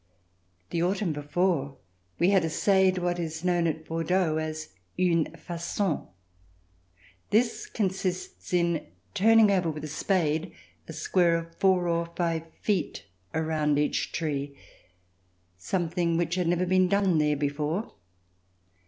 The autumn before we had essayed what is known at Bordeaux as une fa^on. This consists in turning over with a spade a square of four or five feet around each tree, some thing which had never been done there before.